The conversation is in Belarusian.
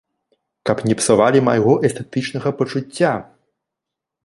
Каб не псавалі майго эстэтычнага пачуцця!